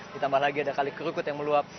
ditambah lagi ada kali kerukut yang meluap